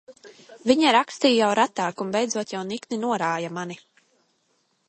Viņa rakstīja jau retāk un beidzot jau nikni norāja mani.